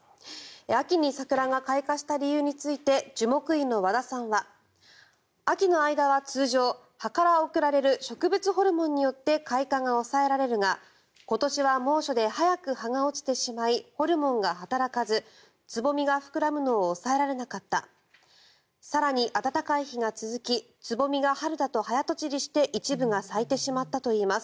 秋に桜が開花した理由について樹木医の和田さんは秋の間は通常、葉から送られる植物ホルモンによって開花が抑えられるが今年は猛暑で早く葉が落ちてしまいホルモンが働かずつぼみが膨らむのを抑えられなかった更に、暖かい日が続きつぼみが春だと早とちりして一部が咲いてしまったといいます。